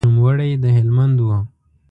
نوموړی د هلمند و.